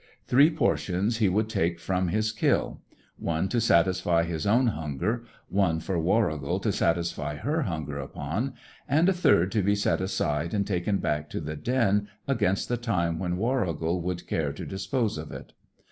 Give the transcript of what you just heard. Three portions he would take from his kill; one to satisfy his own hunger, one for Warrigal to satisfy her hunger upon, and a third to be set aside and taken back to the den against the time when Warrigal should care to dispose of it.